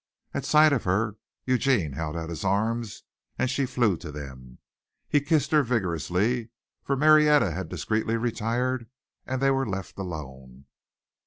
At sight of her Eugene held out his arms and she flew to them. He kissed her vigorously, for Marietta had discreetly retired and they were left alone.